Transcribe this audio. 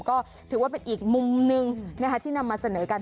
ก็ถือว่าเป็นอีกมุมหนึ่งที่นำมาเสนอกัน